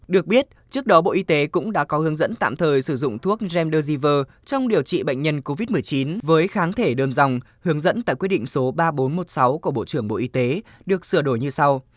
được biết trước đó bộ y tế cũng đã có hướng dẫn tạm thời sử dụng thuốc gend dojiver trong điều trị bệnh nhân covid một mươi chín với kháng thể đơn dòng hướng dẫn tại quyết định số ba nghìn bốn trăm một mươi sáu của bộ trưởng bộ y tế được sửa đổi như sau